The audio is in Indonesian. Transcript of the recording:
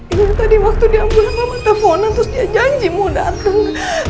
iya tadi waktu diambil mama teleponan terus dia janji mau dateng